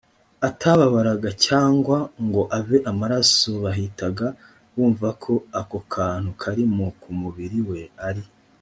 atababaraga cyangwa ngo ave amaraso bahitaga bumva ko ako kantu kari ku mubiri we ari